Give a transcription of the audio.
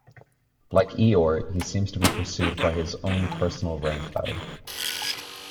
Like Eeyore, he seems to be pursued by his own personal raincloud.